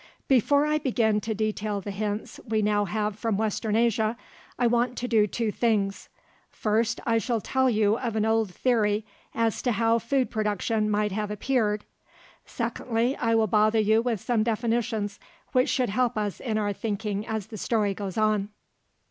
Before I begin to detail the hints we now have from western Asia, I want to do two things. First, I shall tell you of an old theory as to how food production might have appeared. Second, I will bother you with some definitions which should help us in our thinking as the story goes on.